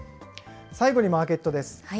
最後にマーケットです。